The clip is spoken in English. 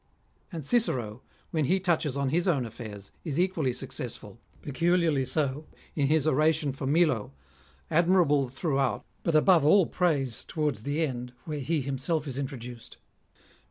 And Cicero, when he touohes on his own affairs, is equally successful ; peculiarly so in his Oration for Milo, admirable through out, but above all praise towards the end, where he himself is introduced.